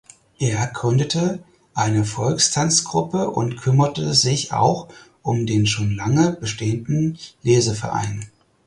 Er gründete eine Volkstanzgruppe und kümmerte sich auch um den schon lange bestehenden Leseverein.